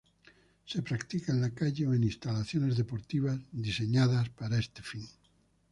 Se practica en la calle o en instalaciones deportivas diseñadas para este fin.